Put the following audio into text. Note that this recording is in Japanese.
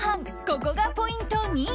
ここがポイント２。